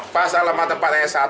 pasal lemah tempat s satu